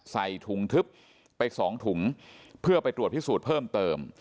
ใส่ถุงทึบไป๒ถุงเพื่อไปตรวจพิสูจน์เพิ่มเติม